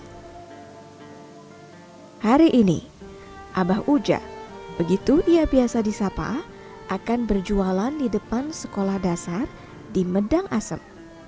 hai hari ini abah uja begitu ia biasa di sapa akan berjualan di depan sekolah dasar di medang asem